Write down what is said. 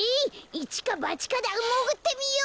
いちかばちかだもぐってみよう！